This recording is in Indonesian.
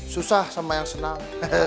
susah sama yang senang